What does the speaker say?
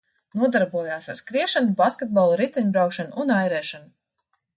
Nodarbojās ar skriešanu, basketbolu, riteņbraukšanu un airēšanu.